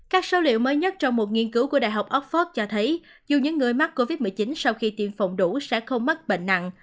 các số liệu mới nhất trong một nghiên cứu của đại học oxford cho thấy dù những người mắc covid một mươi chín sau khi tiêm phòng đủ sẽ không mắc bệnh nặng